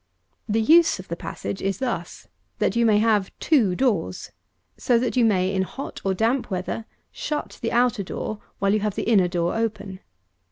The use of the passage is this: that you may have two doors, so that you may, in hot or damp weather, shut the outer door, while you have the inner door open.